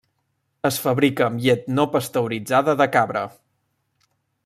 Es fabrica amb llet no pasteuritzada de cabra.